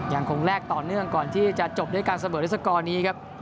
อย่างคงแรกต่อเนื่องก่อนที่จะจบด้วยการเสบิดริสกรนี้ครับ